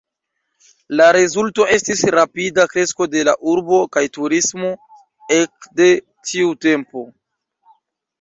La rezulto estis rapida kresko de la urbo kaj turismo ek de tiu tempo.